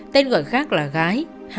tên gọi khác là gái